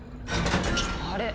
あれ？